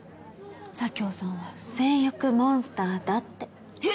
佐京さんは性欲モンスターだってえっ？